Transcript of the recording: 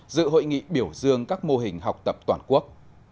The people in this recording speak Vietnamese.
dự hội nghị biểu dương các mô hình học tập toàn quốc